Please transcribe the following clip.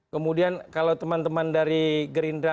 kemudian kalau teman teman dari gerindra